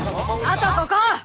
あとここ！